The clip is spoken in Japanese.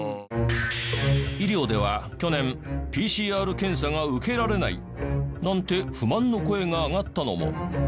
医療では去年「ＰＣＲ検査が受けられない！」なんて不満の声が上がったのも。